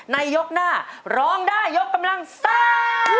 ยกหน้าร้องได้ยกกำลังซ่า